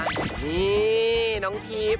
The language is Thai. นี่น้องพีฟ